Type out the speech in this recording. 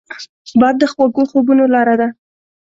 باد د خوږو خوبونو لاره ده